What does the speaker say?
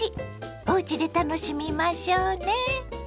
おうちで楽しみましょうね。